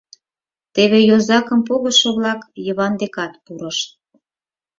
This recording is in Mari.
Теве йозакым погышо-влак Йыван декат пурышт.